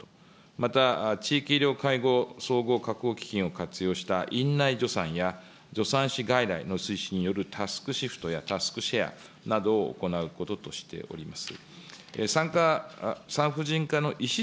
また、地域医療介護総合を活用した院内助産や助産師外来の推進によるタスクシフト、タスクシェアなどを行うこととしております。